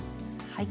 はい。